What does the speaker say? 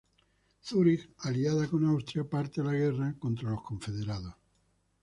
Zúrich, aliada con Austria, parte a la guerra contra los confederados.